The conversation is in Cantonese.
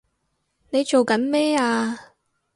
你做緊咩啊！